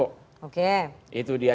oke itu dia